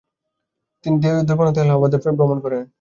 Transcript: তিনি বৈদ্যনাথ ও এলাহাবাদ ভ্রমণ করেন।